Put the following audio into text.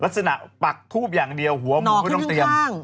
ลักษณะปักทูบอย่างเดียวหัวหมูไม่ต้องเตรียม